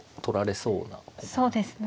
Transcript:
そうですね。